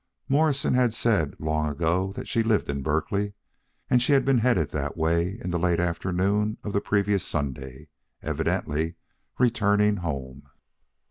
Morrison had said long ago that she lived in Berkeley, and she had been headed that way in the late afternoon of the previous Sunday evidently returning home.